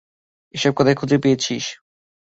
এসব কোথায় খুঁজে পেয়েছিস?